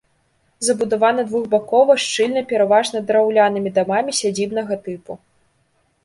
Забудавана двухбакова, шчыльна, пераважна драўлянымі дамамі сядзібнага тыпу.